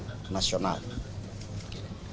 kami menghimbau kepada seluruh masyarakat indonesia